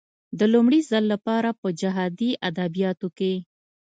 د لومړي ځل لپاره په جهادي ادبياتو کې.